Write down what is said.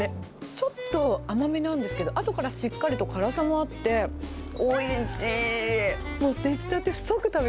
ちょっと甘めなんですけど、あとからしっかりと辛さもあって、おいしい。